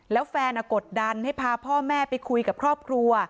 แล้วแฟนกดดันให้พาพ่อแม่ไปคุยกับครอบครัว